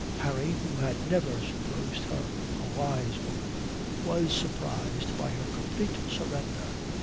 Harry, who had never supposed her a wise woman, was surprised by her complete surrender.